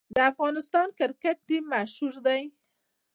د افغانستان کرکټ ټیم مشهور دی